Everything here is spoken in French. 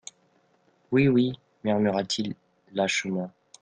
Oui, oui, murmura-t-il lâchement.